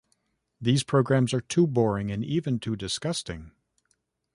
These programs are too boring and even too disgusting!